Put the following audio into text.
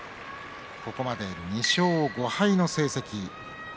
ここまで、２勝５敗の成績。